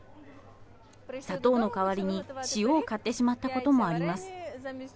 砂糖の代わりに塩を買ってしまったこともあります。